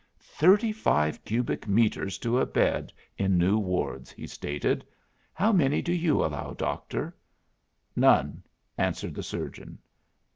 "Thirty five cubic metres to a bed in new wards," he stated. "How many do you allow, Doctor?" "None," answered the surgeon.